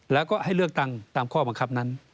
แล้วก็ให้เลือกตั้งตามข้อบังคับนั้น